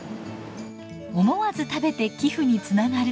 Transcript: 思わず食べて寄付につながる。